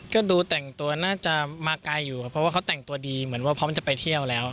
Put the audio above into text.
ก็ดูแต่งตัวน่าจะมาไกลอยู่ครับเพราะว่าเขาแต่งตัวดีเหมือนว่าพร้อมจะไปเที่ยวแล้ว